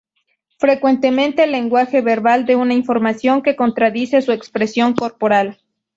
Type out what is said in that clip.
Frecuentemente, el lenguaje verbal da una información que contradice su expresión corporal.